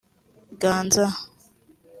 ganza